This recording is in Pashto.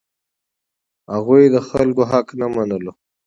هغوی د خلکو حق نه منلو.